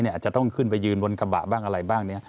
อาจจะต้องขึ้นไปยืนบนกระบะบ้างอะไรบ้างเนี่ย